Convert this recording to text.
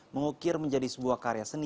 mengukir menjadi sebuah karya seni